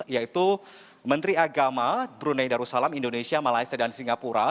yaitu menteri agama brunei darussalam indonesia malaysia dan singapura